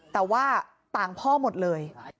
แต่ว่าต่างพ่อหมดเลย